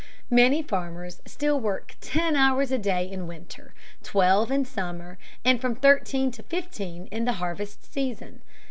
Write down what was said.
Many farmers still work ten hours a day in winter, twelve in summer, and from thirteen to fifteen in the harvest season.